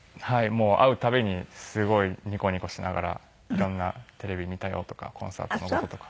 もう会う度にすごいニコニコしながら色んな「テレビ見たよ」とかコンサートの事とか。